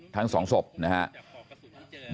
ทั้งสองศพนะครับ